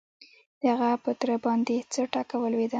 د هغه په تره باندې څه ټکه ولوېده؟